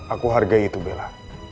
aku hargai itu bella